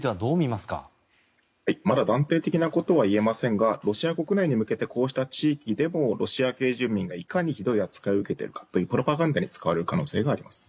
まだ断定的なことは言えませんがロシア国内に向けてこうした地域でもロシア系住民がいかにひどい扱いを受けているかというプロパガンダに使われる可能性があります。